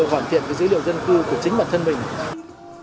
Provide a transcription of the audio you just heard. của chính bản thân mình